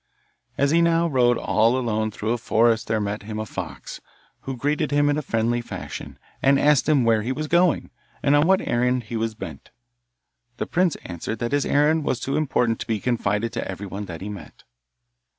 As he now rode all alone through a forest there met him a fox, who greeted him in a friendly fashion, and asked him where he was going, and on what errand he was bent. The prince answered that his errand was too important to be confided to everyone that he met.